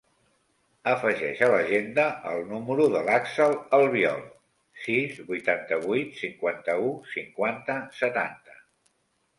Afegeix a l'agenda el número de l'Axel Albiol: sis, vuitanta-vuit, cinquanta-u, cinquanta, setanta.